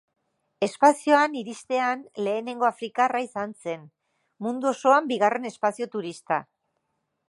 Espazioan iristean lehenengo afrikarra izan zen, mundu osoan bigarren espazio-turista.